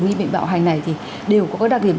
nghi bệnh bạo hành này thì đều có đặc điểm